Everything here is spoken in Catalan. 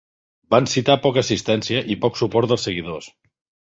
Van citar poca assistència i poc suport dels seguidors.